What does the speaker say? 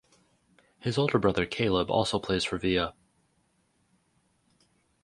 His older brother Caleb also plays for Villa.